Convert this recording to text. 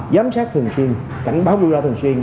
giám sát thường xuyên cảnh báo đưa ra thường xuyên